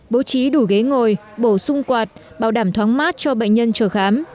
bố trí đủ ghế ngồi bổ sung quạt bảo đảm thoáng mát cho bệnh nhân chờ khám